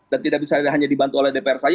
dan tidak bisa hanya dibantu oleh dpr saya